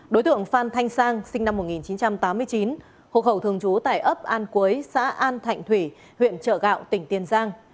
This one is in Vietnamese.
đối tượng phan thanh sang sinh năm một nghìn chín trăm tám mươi chín hộ khẩu thường trú tại ấp an cúi xã an thạnh thủy huyện trợ gạo tỉnh tiền giang